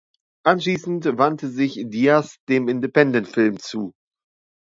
Anschließend wandte sich Diaz dem Independentfilm zu.